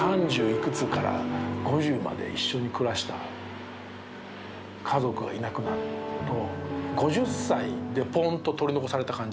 いくつから５０まで一緒に暮らした家族がいなくなると５０歳でポンと取り残された感じになります。